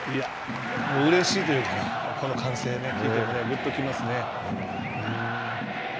うれしいというか、この歓声聞いて、ぐっと来ますね。